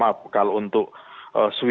ya memang harus dipersiapkan semuanya